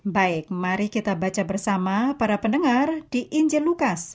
baik mari kita baca bersama para pendengar di injen lukas